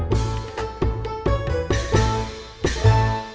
gak cukup pulsaanya